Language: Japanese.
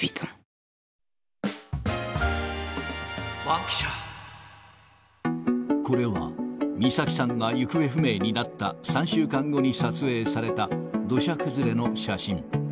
バンキシャは、これは美咲さんが行方不明になった３週間後に撮影された土砂崩れの写真。